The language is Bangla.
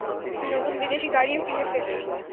নতুন বিদেশি গাড়িও কিনেছেন।